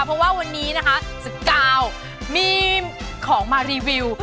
เพราะว่าวันนี้นะคะ๑๙มีของมารีวิว